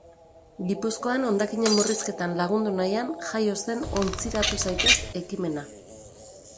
Gipuzkoan hondakinen murrizketan lagundu nahian jaio zen Ontziratu zaitez ekimena.